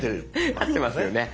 合ってますよね。